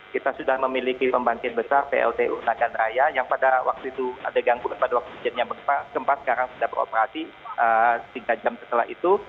kita sudah memiliki pembangkit besar pltu nagan raya yang pada waktu itu ada gangguan pada waktu kejadian gempa sekarang sudah beroperasi tiga jam setelah itu